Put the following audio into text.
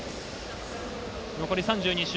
残り３２周。